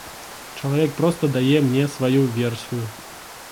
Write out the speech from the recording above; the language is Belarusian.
Чалавек проста дае мне сваю версію.